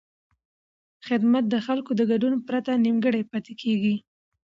خدمت د خلکو د ګډون پرته نیمګړی پاتې کېږي.